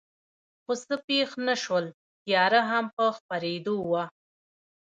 خو څه پېښ نه شول، تیاره هم په خپرېدو وه.